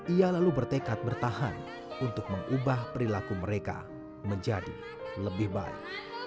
ia lalu bertekad bertahan untuk mengubah perilaku mereka menjadi lebih baik